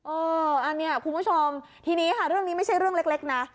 เอออันนี้คุณผู้ชมทีนี้ค่ะเรื่องนี้ไม่ใช่เรื่องเล็กนะ